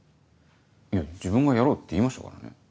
いや自分が「やろう」って言いましたからね。